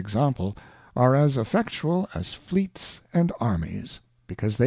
93 Example, are as effectual^ as JFleets_and Armies, because they J